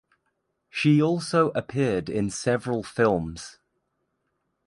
She also appeared in several films.